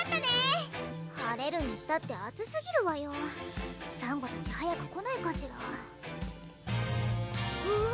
晴れるにしたって暑すぎるわよさんごたち早く来ないかしらおぉ！